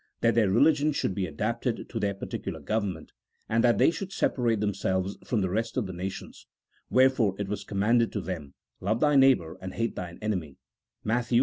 that their religion should be adapted to their particular government, and that they should separate themselves from the rest of the nations : wherefore it was commanded to them, " Love thy neigh bour and hate thine enemy " (Matt.